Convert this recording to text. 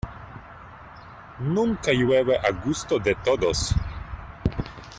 Nunca llueve a gusto de todos.